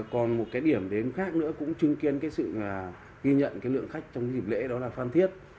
còn một điểm khác nữa cũng chứng kiến sự ghi nhận lượng khách trong dịp lễ đó là phan thiết